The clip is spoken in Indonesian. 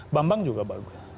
bambang juga bagus